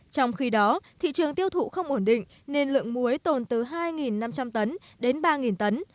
trong khi đó thị trường tiêu thụ không ổn định nên lượng muối tồn từ hai năm trăm linh tấn đến ba tấn